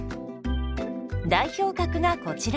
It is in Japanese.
代表格がこちら。